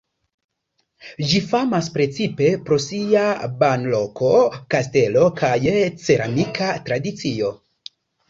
Ĝi famas precipe pro sia banloko, kastelo kaj ceramika tradicio.